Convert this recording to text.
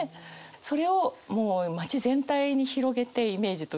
それをもう町全体に広げてイメージとして。